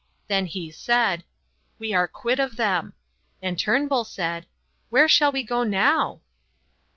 Then he said: "We are quit of them." And Turnbull said: "Where shall we go now?"